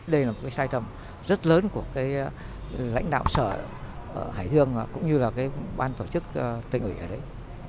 đây là một sai trầm rất lớn của lãnh đạo sở hải dương cũng như là ban tổ chức tình ủy ở đấy